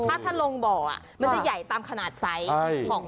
ถ้าเริ่มลงบ่อสักนี้สักนี้คือใหญ่จัง